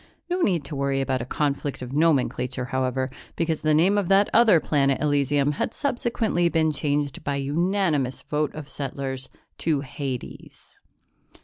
No need to worry about a conflict of nomenclature, however, because the name of that other planet Elysium had subsequently been changed by unanimous vote of settlers to Hades.